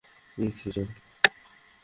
Pixie, চল।